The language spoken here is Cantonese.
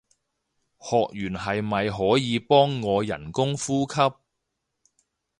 學完係咪可以幫我人工呼吸